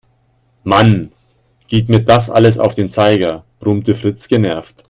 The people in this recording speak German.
Mann, geht mir das alles auf den Zeiger, brummte Fritz genervt.